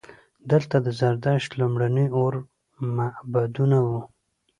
دلته د زردشت لومړني اور معبدونه وو